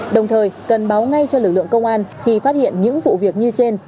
đồng thời cần báo ngay cho lực lượng công an khi phát hiện những vụ việc như trên